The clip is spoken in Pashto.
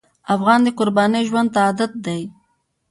افغان د قربانۍ ژوند ته عادت دی.